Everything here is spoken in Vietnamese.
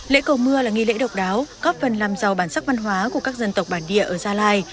lễ cầu mưa là nghi lễ độc đáo có phần làm giàu bản sắc văn hóa của các dân tộc bản địa ở gia lai